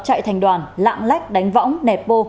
như tụ tập chạy thành đoàn lạm lách đánh võng nẹp pô